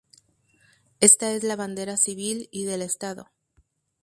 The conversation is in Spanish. Esta es la bandera civil y del Estado.